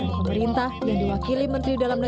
pemerintah yang diwakili menteri dalam negeri